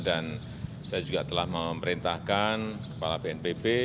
dan saya juga telah memerintahkan kepala bnpb